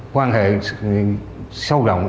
quan hệ sâu động